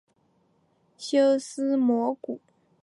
修私摩古印度摩揭陀国的王子。